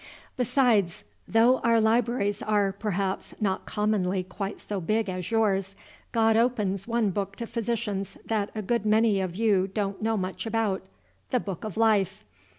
"Besides, though our libraries are, perhaps, not commonly quite so big as yours, God opens one book to physicians that a good many of you don't know much about, the Book of Life.